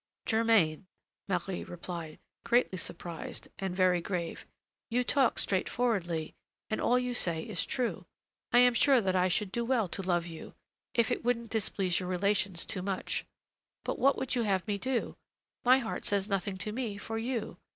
"Germain," Marie replied, greatly surprised and very grave, "you talk straightforwardly, and all you say is true. I am sure that I should do well to love you, if it wouldn't displease your relations too much; but what would you have me do? my heart says nothing to me for you.